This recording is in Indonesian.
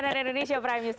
sejahtera indonesia prime news